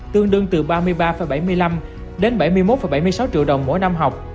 tương đương từ ba mươi ba bảy mươi năm đến bảy mươi một bảy mươi sáu triệu đồng mỗi năm học